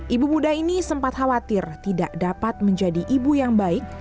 ibu muda ini sempat khawatir tidak dapat menjadi ibu yang baik